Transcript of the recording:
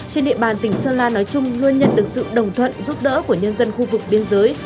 trên địa bàn tỉnh sơn la nói chung luôn nhận được sự đồng thuận giúp đỡ của nhân dân khu vực biên giới